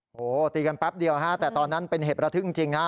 โอ้โหตีกันแป๊บเดียวฮะแต่ตอนนั้นเป็นเหตุระทึกจริงฮะ